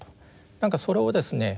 何かそれをですね